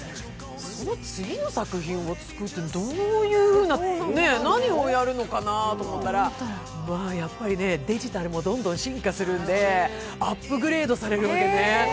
その次の作品を作ってって何をやるのかなと思ったらやっぱりね、デジタルもどんどん進化するんでアップグレードされるわけね。